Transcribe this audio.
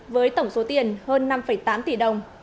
với tổng số tiền hơn năm tám tỷ đồng